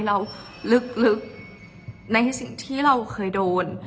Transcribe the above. เราลึกในสิ่งที่เราเคยโดน